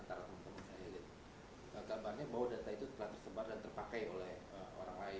antara teman teman saya kabarnya bahwa data itu telah tersebar dan terpakai oleh orang lain